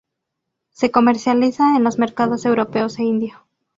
Se comercializa en los mercados europeos e indio.